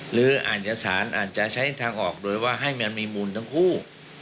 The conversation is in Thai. หรืออาจจะสารอาจจะใช้ทางออกโดยว่าให้มันมีมูลทั้งคู่